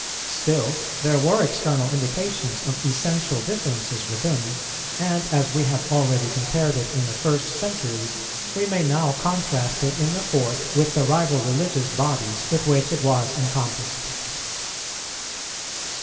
Still there were external indications of essential differences within; and, as we have already compared it in the first centuries, we may now contrast it in the fourth, with the rival religious bodies with which it was encompassed.